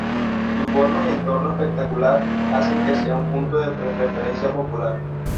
Su forma y entorno espectacular hacen que sea un punto de referencia popular.